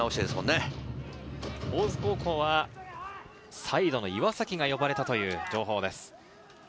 大津高校はサイドの岩崎が呼ばれたという情報です。